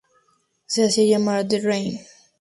Se hacían llamar The Rain.